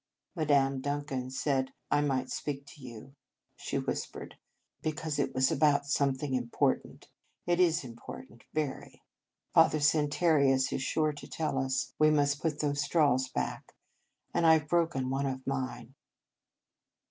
"Madame Duncan said I might speak to you," she whis pered, "because it was about some thing important. It is important, very. Father Santarius is sure to tell us we must put those straws back, and I ve broken one of mine."